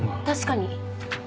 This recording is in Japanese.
確かに。